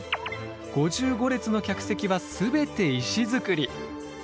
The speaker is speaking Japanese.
５５列の客席は全て石造り。